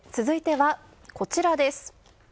続いては、こちらです。